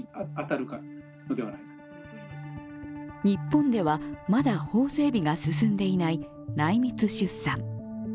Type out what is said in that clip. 日本ではまだ法整備が進んでいない内密出産。